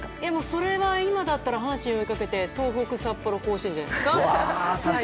それが今だったら阪神を追いかけて東北、札幌甲子園じゃないですか。